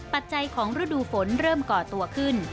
ปัจจัยของฤดูฝนเริ่มก่อตัวขึ้น